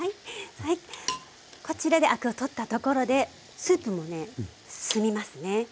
こちらでアクを取ったところでスープもね澄みますね。